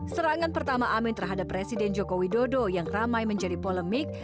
serangan pertama amin terhadap presiden joko widodo yang ramai menjadi polemik